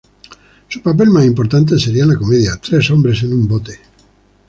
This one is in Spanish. Su papel más importante sería en la comedia Tres hombres en un bote.